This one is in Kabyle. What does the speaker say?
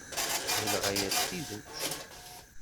Ɣileɣ aya d tidet.